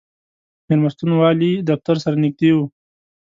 مېلمستون والي دفتر سره نږدې و.